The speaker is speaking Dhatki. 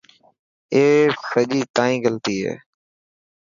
اي سڄي تائن غلطي هي.